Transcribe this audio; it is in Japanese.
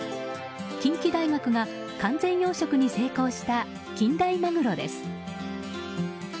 近畿大学が完全養殖に成功した近大マグロです。